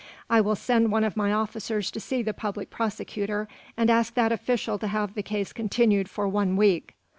I will send one of my officers to see the public prosecutor, and ask that official to have the case continued for one week.